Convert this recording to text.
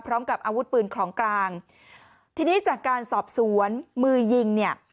พร้อมกับอาวุธปืนของกลางทีนี้จากการสอบสวนมือยิงเนี่ย